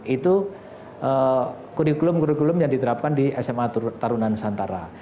itu kurikulum kurikulum yang diterapkan di sma tarunanusantara